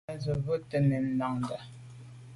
Tàb tshobt’é mèn nda’nda’.